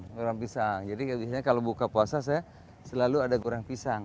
goreng pisang jadi biasanya kalau buka puasa saya selalu ada goreng pisang